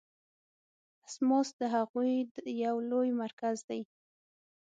اسماس د هغوی یو لوی مرکز دی.